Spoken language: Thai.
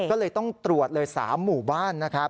ก็เลยต้องตรวจเลย๓หมู่บ้าน